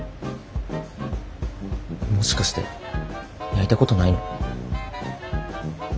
もしかして焼いたことないの？